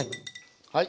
はい。